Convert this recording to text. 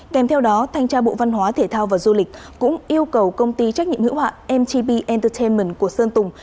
kèm theo đó thanh tra bộ văn hóa thể thao và du lịch cũng yêu cầu công ty trách nhiệm hữu hạng mtb entertainment của sơn tùng